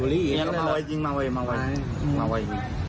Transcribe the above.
อะไรแบบเนี้ยอืมมาไว้จริงมาไว้มาไว้มาไว้